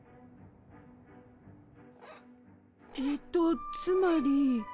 えとつまり。